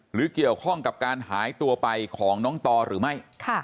หรือเกี่ยวข้องกับการหายตัวไปของน้องต่อหรือไม่